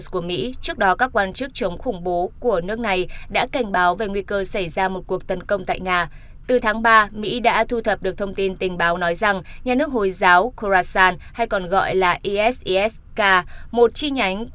cảm ơn quý vị đã quan tâm theo dõi